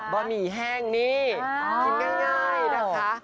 บะหมี่แห้งนี่กินง่ายนะคะ